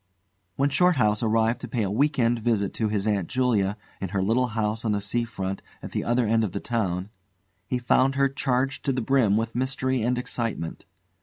When Shorthouse arrived to pay a "week end" visit to his Aunt Julia in her little house on the sea front at the other end of the town, he found her charged to the brim with mystery and excitement.